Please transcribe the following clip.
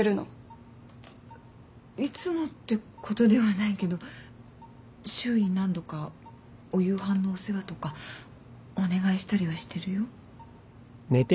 えっいつもってことではないけど週に何度かお夕飯のお世話とかお願いしたりはしてるよ。